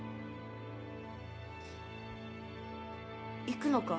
行くのか？